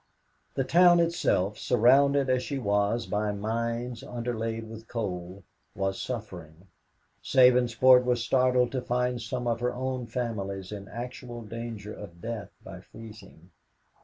The town itself, surrounded as she was by mines underlaid with coal, was suffering. Sabinsport was startled to find some of her own families in actual danger of death by freezing.